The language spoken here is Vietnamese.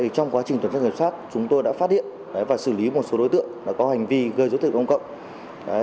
trong quá trình tuần trách nghiệp sát chúng tôi đã phát hiện và xử lý một số đối tượng có hành vi gây dấu trật tự công cộng